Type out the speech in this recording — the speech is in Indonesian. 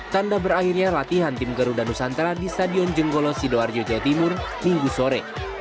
tanda berakhirnya latihan tim garuda nusantara di stadion jenggolo sidoarjo jawa timur minggu sore